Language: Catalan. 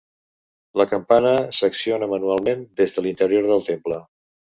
La campana s'acciona manualment des de l'interior del temple.